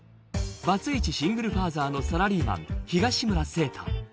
バツイチシングルファーザーのサラリーマン東村晴太